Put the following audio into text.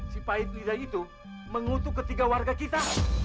si pait lidah itu mengutuk ketiga warga kita